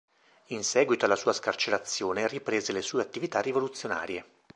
In seguito alla sua scarcerazione riprese le sue attività rivoluzionarie.